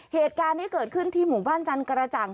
เหตุการณ์นี้เกิดขึ้นที่หมู่บ้านจันกระจ่าง